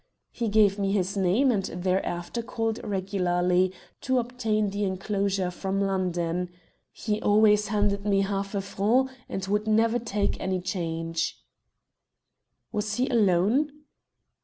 He gave me his name, and thereafter called regularly to obtain the enclosure from London. He always handed me half a franc and would never take any change." "Was he alone?"